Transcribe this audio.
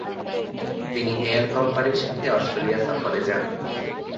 তিনি হেয়ার কোম্পানির সাথে অস্ট্রেলিয়া সফরে যান।